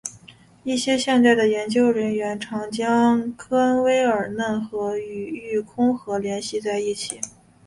一些现代的研究人员常将科恩威尔嫩河与育空河联系在一起。